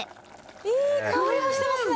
いい香りもしてますね！